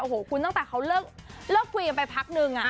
โอ้โหคุณตั้งแต่เขาเลิกคุยกันไปพักนึง